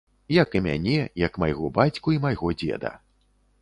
Як і мяне, як майго бацьку і майго дзеда.